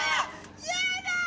嫌だ！